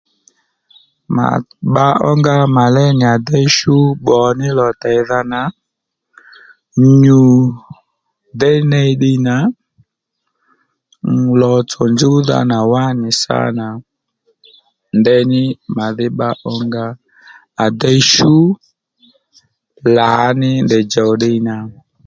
Mà bba ó nga mà léy nì à déy nì shú bbò ní lò teydha nà nyù déy ney ddiy nà lò tsò njúwdha nà wá nì sâ nà ndeyní màdhí bba ó nga à déy shú lǎní ndèy chùw ddiy nà